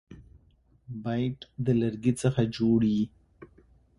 بیټ د لرګي څخه جوړ يي.